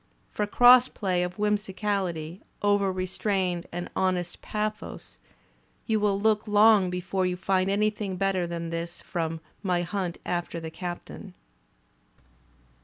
For cross play of whimsicality over restrained and honest pathos, you will look long l)efore you find anything better than this from "My Hunt After the Captain."